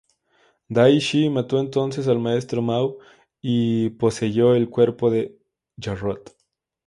Dai Shi mató entonces al maestro Mao y poseyó el cuerpo de Jarrod.